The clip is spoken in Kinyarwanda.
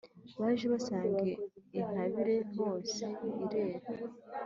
baje basanga intabire hose irera,